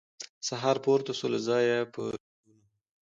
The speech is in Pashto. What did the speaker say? سهار پورته سوم له ځایه په رېزونو